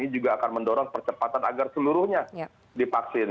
ini juga akan mendorong percepatan agar seluruhnya divaksin